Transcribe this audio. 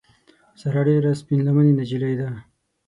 ساره ډېره سپین لمنې نجیلۍ ده.